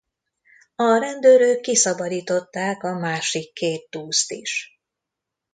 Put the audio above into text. A rendőrök kiszabadították a másik két túszt is.